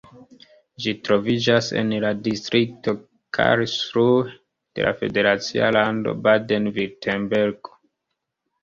Ĝi troviĝas en la distrikto Karlsruhe de la federacia lando Baden-Virtembergo.